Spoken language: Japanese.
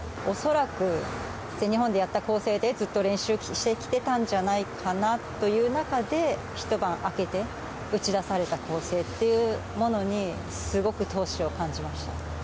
恐らく全日本でやった構成でずっと練習してきてたんじゃないかなという中で、一晩明けて、打ち出された構成っていうものにすごく闘志を感じました。